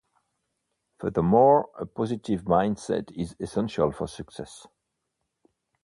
Furthermore, a positive mindset is essential for success.